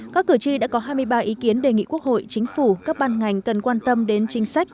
các cử tri đã có hai mươi ba ý kiến đề nghị quốc hội chính phủ các ban ngành cần quan tâm đến chính sách